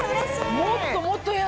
もっともっと安い！